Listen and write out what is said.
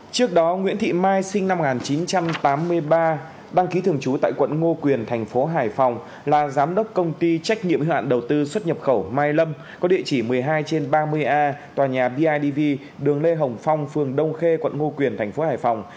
trước đó nguyễn thị mai sinh năm một nghìn chín trăm tám mươi ba đăng ký thường trú tại quận ngô quyền thành phố hải phòng là giám đốc công ty trách nhiệm hữu hạn đầu tư xuất nhập khẩu mai lâm có địa chỉ một mươi hai trên ba mươi a tòa nhà bidv đường lê hồng phong phường đông khê quận ngo quyền tp hải phòng